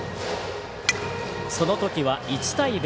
そのときは１対０。